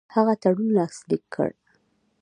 هغه تړون لاسلیک کړ.